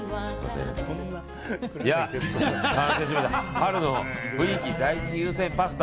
春の雰囲気第一優先パスタ。